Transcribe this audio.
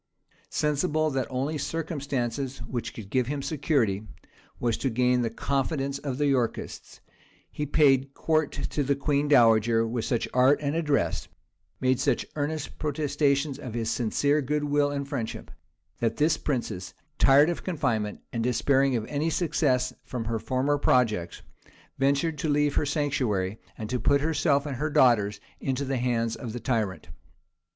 Sensible that the only circumstance which could give him security, was to gain the confidence of the Yorkists, he paid court to the queen dowager with such art and address, made such earnest protestations of his sincere good will and friendship, that this princess, tired of confinement, and despairing of any success from her former projects, ventured to leave her sanctuary, and to put herself and her daughters into the hands of the tyrant.